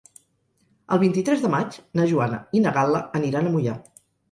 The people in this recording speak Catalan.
El vint-i-tres de maig na Joana i na Gal·la aniran a Moià.